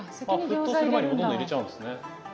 沸騰する前にほとんど入れちゃうんですね。